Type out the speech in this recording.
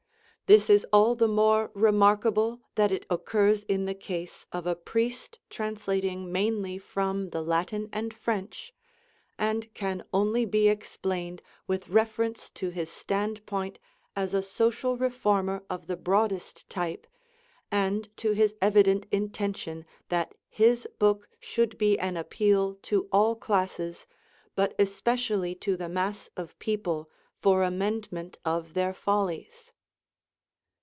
This is all the more remarkable that it occurs in the case of a priest translating mainly from the Latin and French, and can only be explained with reference to his standpoint as a social reformer of the broadest type, and to his evident intention that his book should be an appeal to all classes, but especially to the mass of people for amendment of their follies."